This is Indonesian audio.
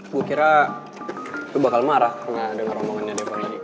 gue kira lo bakal marah ga denger omongannya debo ini